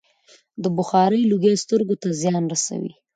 د بخارۍ لوګی سترګو ته زیان رسوي.